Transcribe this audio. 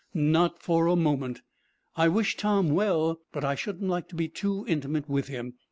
"Not for a moment. I wish Tom well, but I shouldn't like to be too intimate with him.